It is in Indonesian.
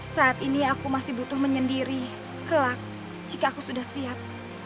saat ini aku masih butuh menyendiri kelak jika aku sudah siap